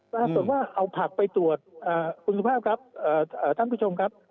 ปรากฏว่าเอาผักไปตรวจคุณสุภาพครับท่านผู้ชมครับ